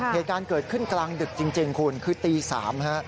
เหตุการณ์เกิดขึ้นกลางดึกจริงคุณคือตี๓ฮะ